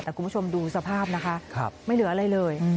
แต่คุณผู้ชมดูสภาพนะคะไม่เหลืออะไรเลย